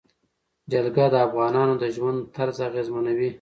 جلګه د افغانانو د ژوند طرز اغېزمنوي.